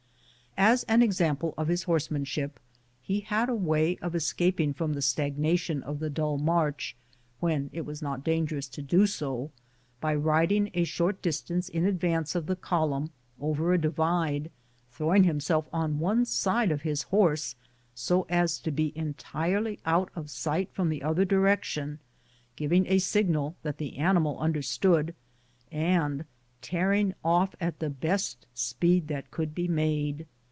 As an example of his horsemanship he had a way of escaping from the stagnation of the dull march, when it was not dangerous to do so, by riding a short distance in advance of the column over a divide, throwing him self on one side of his horse so as to be entirely out of sight from the other direction, giving a signal that the animal understood, and tearing off at the best speed that could be made.